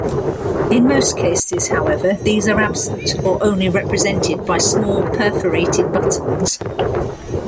In most cases, however, these are absent or only represented by small perforated buttons.